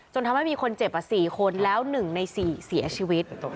ทำให้มีคนเจ็บ๔คนแล้ว๑ใน๔เสียชีวิต